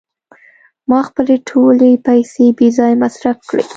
ما خپلې ټولې پیسې بې ځایه مصرف کړې.